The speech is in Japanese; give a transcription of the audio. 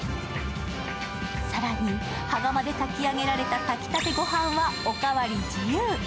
更に羽釜で炊き上げられた炊きたて御飯はおかわり自由。